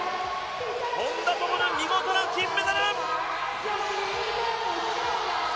本多灯、見事な金メダル！